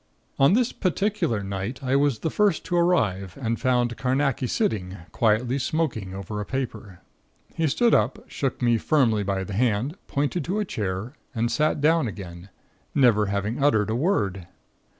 Upon this particular night I was the first to arrive and found Carnacki sitting, quietly smoking over a paper. He stood up, shook me firmly by the hand, pointed to a chair, and sat down again, never having uttered a word.